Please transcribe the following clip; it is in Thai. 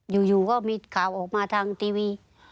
อยู่ก็มีข่าวออกมาทางทีวี